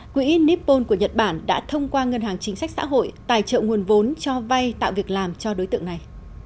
quỹ nippon của nhật bản đã thông qua ngân hàng chính sách xã hội tài trợ nguồn vốn cho vay tạo việc làm cho đối tượng này